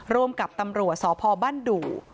ร่วมกับตำรวจสพบ้านดู่